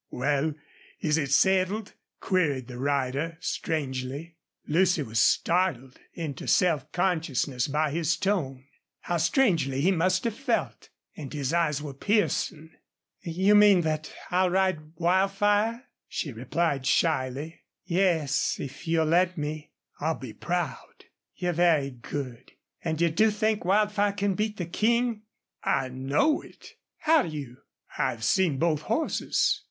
"Well, is it settled?" queried the rider, strangely. Lucy was startled into self consciousness by his tone. How strangely he must have felt. And his eyes were piercing. "You mean that I ride Wildfire?" she replied, shyly. "Yes, if you'll let me." "I'll be proud." "You're very good.... And do you think Wildfire can beat the King?" "I know it." "How do you?" "I've seen both horses."